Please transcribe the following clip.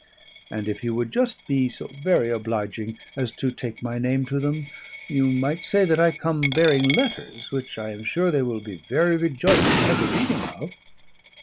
And if you would just be so very obliging as to take my name to them, you might say that I come bearing letters which I am sure they will be very rejoiced to have the reading of."